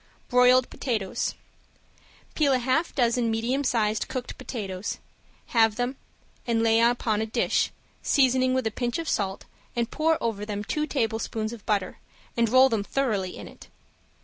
~BROILED POTATOES~ Peel a half dozen medium sized cooked potatoes, halve them and lay upon a dish, seasoning with a pinch of salt, and pour over them two tablespoons of butter and roll them thoroughly in it.